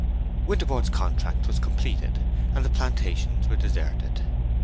Winterborne's contract was completed, and the plantations were deserted.